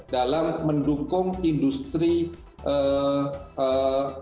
dalam mendukung industri kendaraan